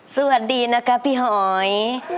สวัสดีนะคะพี่หอย